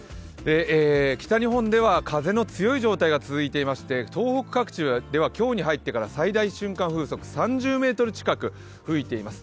北日本では風の強い状態が続いていまして東北地方では今日に入ってから最大瞬間風速３０メートル近く吹いています。